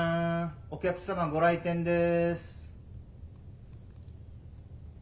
お客様ご来店です。